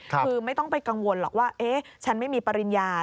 คือไม่ต้องไปกังวลหรอกว่าฉันไม่มีปริญญา